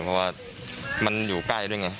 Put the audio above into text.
เพราะว่ามันอยู่ใกล้ด้วยไง